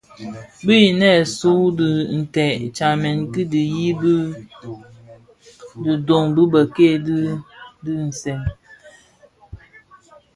Bi bënèsun dhi ted tsamèn ki dhiyi di dhiňdoon di bikei di dhi di nsèň: